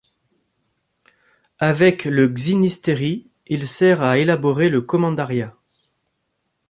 Avec le xynisteri, il sert à élaborer le Commandaria.